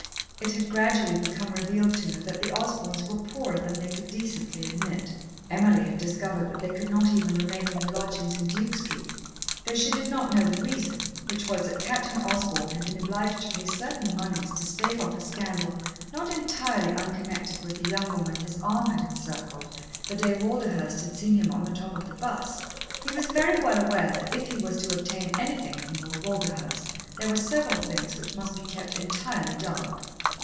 It had gradually become revealed to her that the Osborns were poorer than they could decently admit. Emily had discovered that they could not even remain in the lodgings in Duke Street, though she did not know the reason, which was that Captain Osborn had been obliged to pay certain moneys to stave off a scandal not entirely unconnected with the young woman his arm had encircled the day Walderhurst had seen him on the top of the bus. He was very well aware that if he was to obtain anything from Lord Walderhurst, there were several things which must be kept entirely dark.